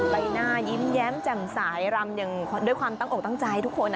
ใบหน้ายิ้มแย้มแจ่มสายรำอย่างด้วยความตั้งอกตั้งใจทุกคน